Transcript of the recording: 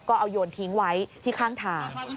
ก็เอาโยนทิ้งไว้ที่ข้างทาง